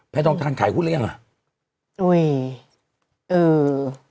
แพทย์ทงทันขายหุ้นหรือยังอะอุ๊ยอือ